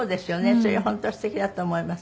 それは本当に素敵だと思います。